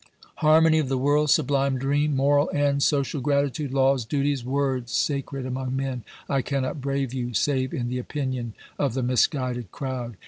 Harmony of the world, sublime dream ! Moral end, social gratitude, laws, duties — words sacred among men ! I cannot brave you, save in the opinion of the misguided crowd.